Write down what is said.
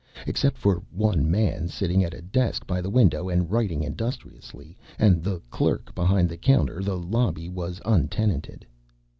Except for one man sitting at a desk by the window and writing industriously, and the clerk behind the counter, the lobby was untenanted.